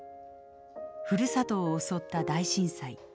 ふるさとを襲った大震災。